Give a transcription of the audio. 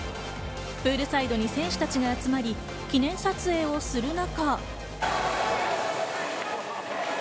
プールサイドに選手たちが集まり、記念撮影をする中。